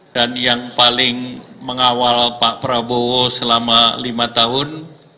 yang paling mengawal pak prabowo selama lima tahun